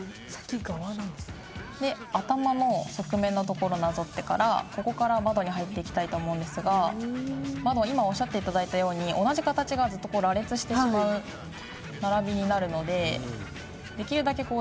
で頭の側面の所なぞってからここから窓に入っていきたいと思うんですが窓今おっしゃっていただいたように同じ形がずっと羅列してしまう並びになるので。